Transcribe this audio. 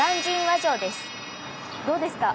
どうですか？